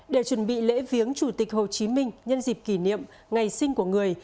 để chuẩn bị lễ viếng chủ tịch hồ chí minh nhân dịp kỷ niệm ngày sinh của người